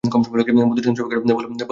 মধুসূদন চমকে উঠল– বললে, সে কী কথা!